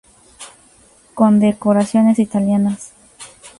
Condecoraciones italianas